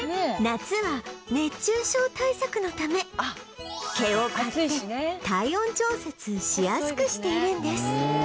夏は熱中症対策のため毛を刈って体温調節しやすくしているんです